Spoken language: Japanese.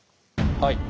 はい。